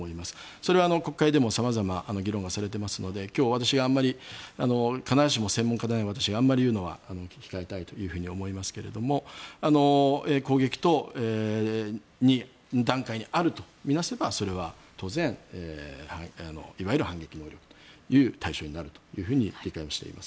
それは国会でも様々な議論がされていますので今日、私が専門家でもないのであんまり言うのは控えたいと思いますが攻撃段階にあると見なせばそれは当然いわゆる反撃能力という対象になると理解しています。